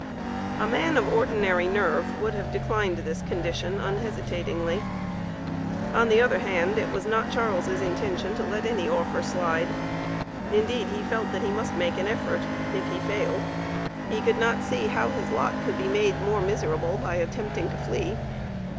A man of ordinary nerve would have declined this condition unhesitatingly. On the other hand it was not Charles' intention to let any offer slide; indeed he felt that he must make an effort, if he failed. He could not see how his lot could be made more miserable by attempting to flee.